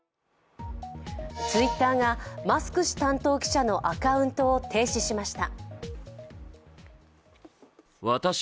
Ｔｗｉｔｔｅｒがマスク氏担当記者のアカウントを停止しました。